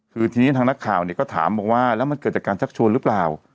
คือทีนี้ทางนักข่าวเนี่ยก็ถามบอกว่าแล้วมันเกิดจากการชักชวนหรือเปล่า